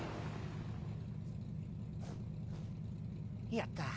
やった！